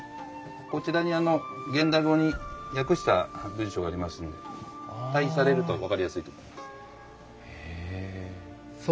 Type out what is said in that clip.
こちらに現代語に訳した文章がありますんで対比されると分かりやすいと思います。